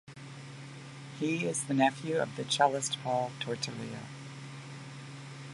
He is the nephew of the cellist Paul Tortelier.